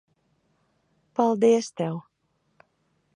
Paldies tev.